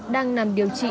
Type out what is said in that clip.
đang nằm điều trị